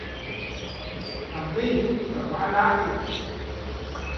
Học đi cả Ba la chừ